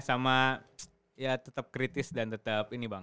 sama ya tetap kritis dan tetap ini bang